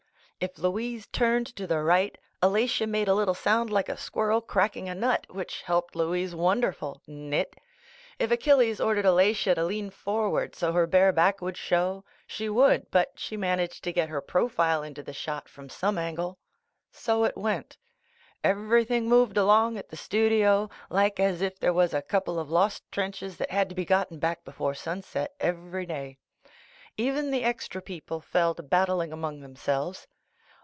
If Louise turned to the right, Alatia made a little sound like a squirrel cracking a nut, which helped Louise wonderful — nit. If Achilles ordered Alatia to lean for ward so her bare back would show, she would, but she managed to get her profile into the shot from some angle. So it went. Everything moved along at the studio like as if there was a couple of lost trenches that had to be gotten back before sunset every day. Even the extra people fell to battling among themselves.